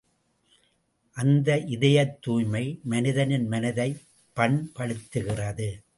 அந்த இதயத் தூய்மை, மனிதனின் மனதைப் பன்படுத்துகிறது.